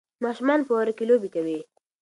ماشومان په واوره کې لوبې کوي.